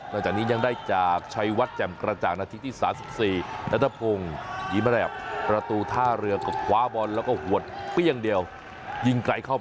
นอกจากนี้ยังได้จากชัยวัดแจ่มกระจ่างนัดที่ที่๓๔